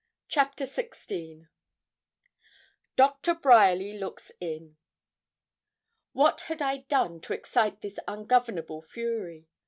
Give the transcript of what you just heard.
CHAPTER XVI DOCTOR BRYERLY LOOKS IN What had I done to excite this ungovernable fury?